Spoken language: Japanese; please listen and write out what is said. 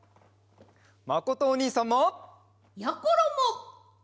まことおにいさんも！やころも！